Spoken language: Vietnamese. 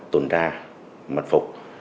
tồn ra mật phục